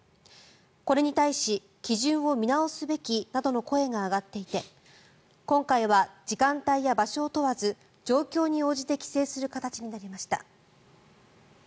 これに対し基準を見直すべきなどの声が上がっていて今回は時間帯や場所を問わず状況に応じて規制する形になりました。